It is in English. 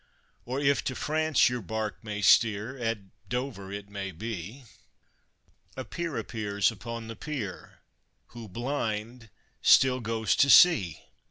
Or, if to France your bark may steer, at Dover it may be, A peer appears upon the pier, who, blind, still goes to sea.